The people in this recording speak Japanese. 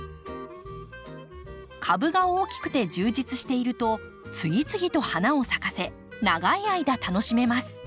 株が大きくて充実していると次々と花を咲かせ長い間楽しめます。